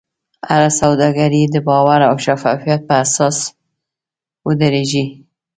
هره سوداګري د باور او شفافیت په اساس ودریږي.